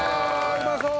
うまそう！